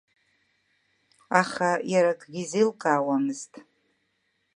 Аха иара акгьы изеилкаауамызт…